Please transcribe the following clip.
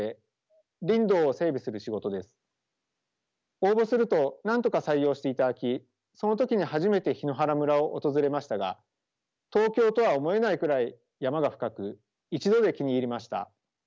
応募するとなんとか採用していただきその時に初めて檜原村を訪れましたが東京とは思えないくらい山が深く一度で気に入りました。